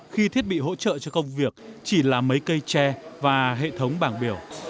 khi thiết bị hỗ trợ cho công việc chỉ là mấy cây tre và hệ thống bảng biểu